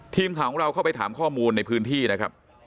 ทีมข่าวเข้าไปถามข้อมูลในพื้นที่นะครับ